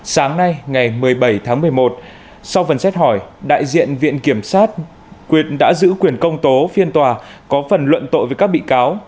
sáng nay ngày một mươi bảy tháng một mươi một sau phần xét hỏi đại diện viện kiểm sát quyền đã giữ quyền công tố phiên tòa có phần luận tội với các bị cáo